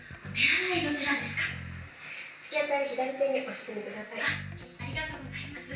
突き当りありがとうございます。